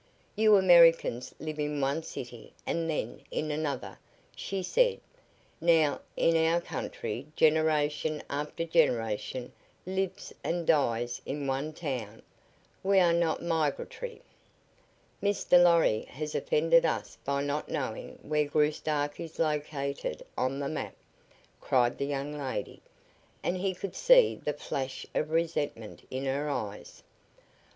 "You Americans live in one city and then in another," she said. "Now, in our country generation after generation lives and dies in one town. We are not migratory." "Mr. Lorry has offended us by not knowing where Graustark is located on the map," cried the young lady, and he could see the flash of resentment in her eyes.